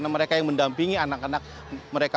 mereka yang mendampingi anak anak mereka